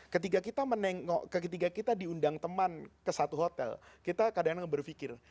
ketika kita diundang teman ke satu hotel kita kadang kadang berpikir